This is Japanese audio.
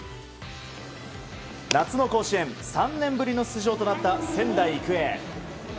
夏の甲子園３年ぶりの出場となった仙台育英。